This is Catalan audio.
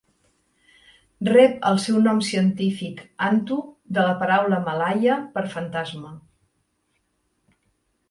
Rep el seu nom científic "hantu" de la paraula malaia per a fantasma.